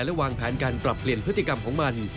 และวางแผนการปรับเปลี่ยนพฤติกรรมของมัน